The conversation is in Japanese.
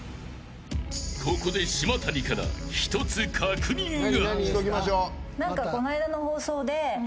ここで島谷から１つ確認が。